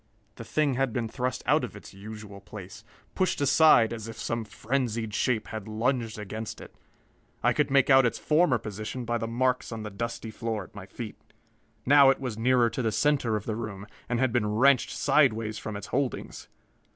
The thing had been thrust out of its usual place, pushed aside as if some frenzied shape had lunged against it. I could make out its former position by the marks on the dusty floor at my feet. Now it was nearer to the center of the room, and had been wrenched sidewise from its holdings.